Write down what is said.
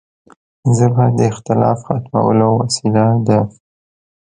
ژبه د اختلاف ختمولو وسیله ده